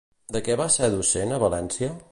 De què va ser docent a València?